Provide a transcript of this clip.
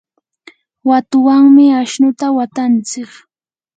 watuwanmi ashnuta watantsik.